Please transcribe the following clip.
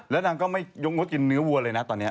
แล้วนางก็ไม่ยกงดกินเนื้อวัวเลยนะตอนนี้